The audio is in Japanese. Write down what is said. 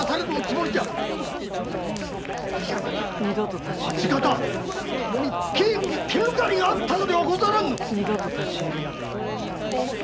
寺社方・町方ともに警護に手ぬかりがあったのではないか？